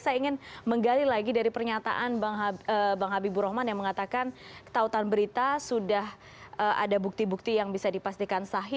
saya ingin menggali lagi dari pernyataan bang habibur rahman yang mengatakan ketautan berita sudah ada bukti bukti yang bisa dipastikan sahih